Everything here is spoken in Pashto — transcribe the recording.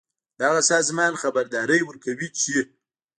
دغه سازمان خبرداری ورکوي چې